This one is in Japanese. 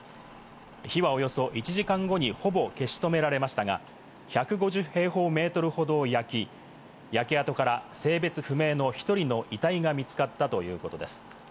火はおよそ１時間後にほぼ消し止められましたが、１５０平方メートルほどを焼き、焼け跡から性別不明の１人の遺体が見つかったということです。